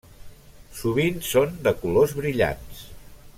Sovint són de colors brillants.